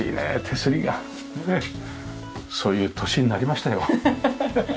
そういう年になりましたよ。